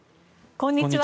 こんにちは。